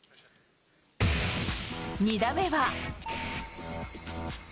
２打目は。